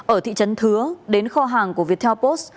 ở thị trấn thứa đến kho hàng của viettel post